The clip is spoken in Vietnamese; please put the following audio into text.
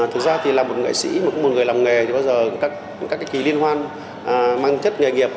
thực ra thì là một nghệ sĩ một người làm nghề thì bao giờ các cái kỳ liên hoan mang chất nghề nghiệp